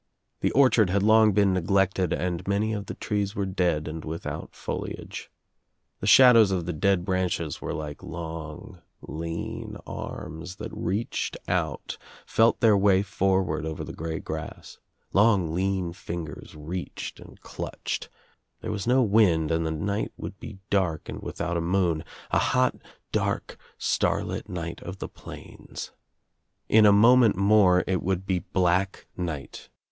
The orchard had long been neglected and many of the trees were dead and without foliage. The shadows of the dead branches were like long lean arms that reached out, felt their way forward over the grey grass. Long lean fingers reached and clutched. There was no wind and the night would be dark and without a moon, a hot dark starlit night of the plains. In a moment more it would be black night.